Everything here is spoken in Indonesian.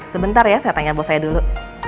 sebentar ya saya tanya bos saya dulu